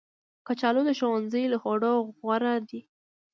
کچالو د ښوونځي له خوړو غوره دي